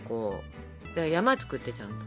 山作ってちゃんと。